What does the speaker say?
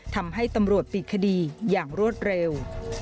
ทำให้ตำรวจปิดคดีอย่างรวดเร็ว